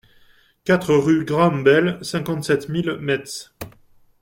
quatre rue Graham Bell, cinquante-sept mille Metz